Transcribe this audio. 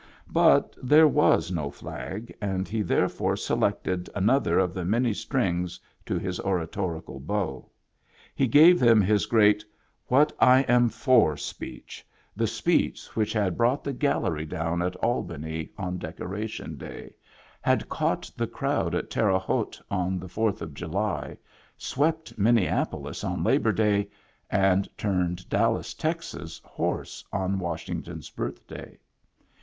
But there was no flag, and he therefore selected another of the many strings to his oratorical bow. He gave them his great " What I am for " speech, the speech which had Digitized by Google IN THE BACK 95 brought the gallery down at Albany on Decora tion Day, had caught the crowd at Terre Haute on the Fourth of July, swept Minneapolis on Labor Day and turned Dallas, Texas, hoarse on Washington's Birthday.